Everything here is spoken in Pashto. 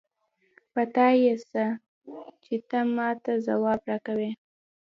په تا يې څه؛ چې ته ما ته ځواب راکوې.